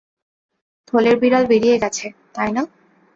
থলের বিড়াল বেরিয়ে গেছে, তাই না?